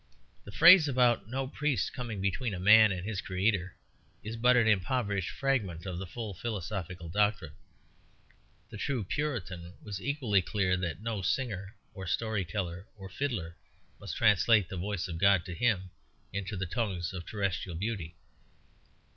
The phrase about no priest coming between a man and his Creator is but an impoverished fragment of the full philosophic doctrine; the true Puritan was equally clear that no singer or story teller or fiddler must translate the voice of God to him into the tongues of terrestrial beauty.